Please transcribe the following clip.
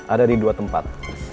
ada di dua tempat